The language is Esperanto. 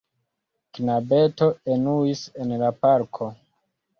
Knabeto enuis en la parko.